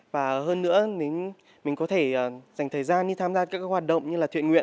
và hơn nữa mình có thể dành thời gian đi tham gia các hoạt động như là thiện nguyện